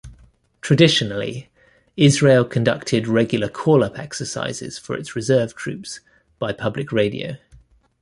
Traditionally, Israel conducted regular call-up exercises for its reserve troops by public radio.